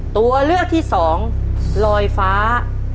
ตัวเลือกที่สองลอยฟ้า